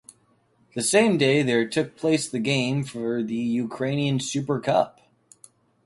The same day there took place the game for the Ukrainian Super Cup.